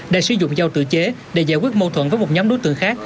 đã sử dụng dao tự chế để giải quyết mâu thuẫn với một nhóm đối tượng khác